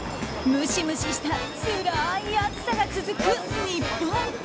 ムシムシしたつらい暑さが続く日本。